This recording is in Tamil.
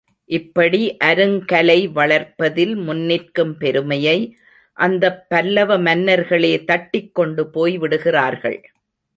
இப்படி அருங்கலை வளர்ப்பதில் முன்னிற்கும் பெருமையை, அந்தப் பல்லவ மன்னர்களே தட்டிக் கொண்டு போய் விடுகிறார்கள்.